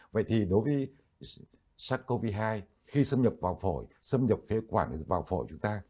vậy thì đối với sars cov hai khi xâm nhập vào phổi xâm nhập phế quản vào phổi chúng ta